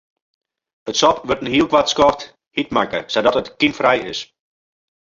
It sop wurdt yn in heel koart skoft hjit makke sadat it kymfrij is.